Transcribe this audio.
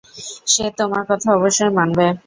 সে তোমার কথা অবশ্যই মানবে।